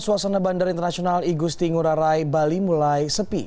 suasana bandara internasional igusti ngurah rai bali mulai sepi